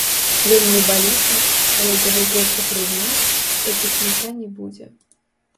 Вельмі балюча, але давядзецца прызнаць, што пікніка не будзе.